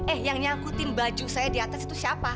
eh yang nyangkutin baju saya di atas itu siapa